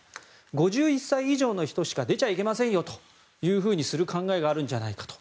５１歳以上の人しか出ちゃいけませんよというふうにする考えがあるんじゃないかと。